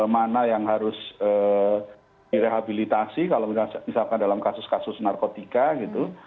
mana yang harus direhabilitasi kalau misalkan dalam kasus kasus narkotika gitu